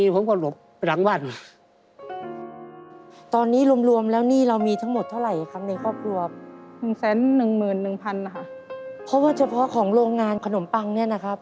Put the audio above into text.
เพราะว่าเฉพาะของโรงงานขนมปังเนี่ยนะครับ